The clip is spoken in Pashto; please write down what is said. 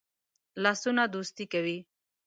لاسونه دوستی کوي